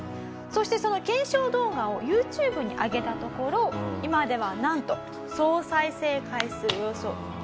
そしてその検証動画をＹｏｕＴｕｂｅに上げたところ今ではなんと。